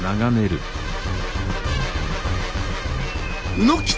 卯之吉